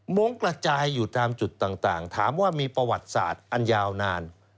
้งกระจายอยู่ตามจุดต่างถามว่ามีประวัติศาสตร์อันยาวนาน